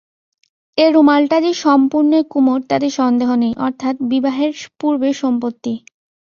এ রুমালটা যে সম্পূর্ণই কুমুর, তাতে সন্দেহ নেই–অর্থাৎ বিবাহের পূর্বের সম্পত্তি।